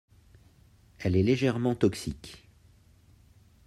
Elle est légèrement toxique.